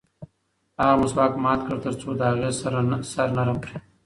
هغه مسواک مات کړ ترڅو د هغې سر نرم کړي.